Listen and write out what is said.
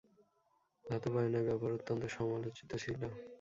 ধাতব আয়নার ব্যবহার অত্যন্ত সমালোচিত ছিল।